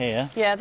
私。